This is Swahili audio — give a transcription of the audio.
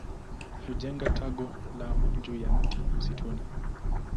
Hujenga tago lao juu ya mti msituni.